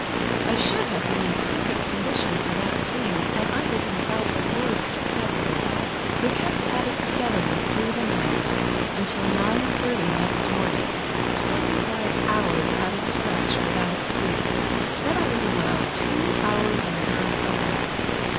I should have been in perfect condition for that scene, and I was in about the worst possible. We kept at it steadily through the night, until nine thirty next morning, twenty five hours at a stretch, without sleep. Then I was allowed two hours and a half of rest.